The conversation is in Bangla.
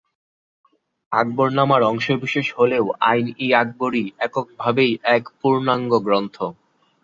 আকবরনামার অংশবিশেষ হলেও আইন-ই-আকবরী এককভাবেই এক পূর্ণাঙ্গ গ্রন্থ।